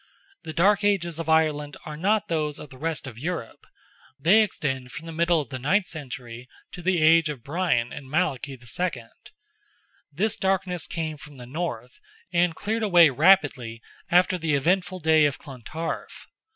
The dark ages of Ireland are not those of the rest of Europe—they extend from the middle of the ninth century to the age of Brian and Malachy II. This darkness came from the North, and cleared away rapidly after the eventful day of Clontarf.